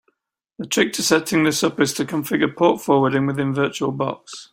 The trick to setting this up is to configure port forwarding within Virtual Box.